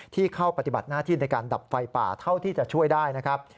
ที่เข้าปฏิบัติหน้าที่ในการดับไฟป่าเท่าที่จะช่วยได้นะครับ